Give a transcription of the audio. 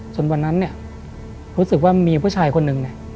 จนวันนั้นรู้สึกว่ามีผู้ชายคนหนึ่ง